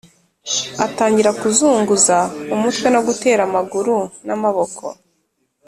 atangira kuzunguza umutwe no gutera amaguru n’amaboko